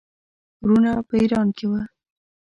وروڼه په ایران کې وه.